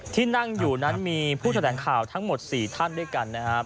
ที่นั่งอยู่นั้นมีผู้แถลงข่าวทั้งหมด๔ท่านด้วยกันนะครับ